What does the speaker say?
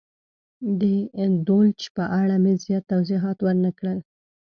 د دولچ په اړه مې زیات توضیحات ور نه کړل.